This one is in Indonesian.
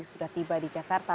sudah tiba di jakarta